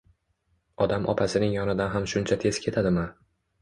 Odam opasining yonidan ham shuncha tez ketadimi?